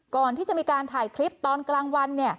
ก่อนที่จะมีการถ่ายคลิปตอนกลางวัน